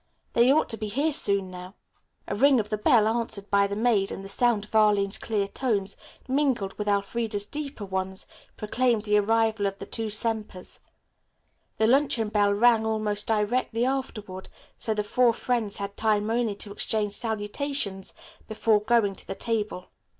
They ought to be here soon now." A ring of the bell, answered by the maid, and the sound of Arline's clear tones, mingled with Elfreda's deeper ones, proclaimed the arrival of the two Sempers. The luncheon bell rang almost directly afterward, so the four friends had time only to exchange salutations before going to the table.